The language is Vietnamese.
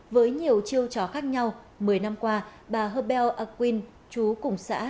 với nhiều chiêu trò khác nhau một mươi năm qua bà hơ bèo a quyên chú cùng xã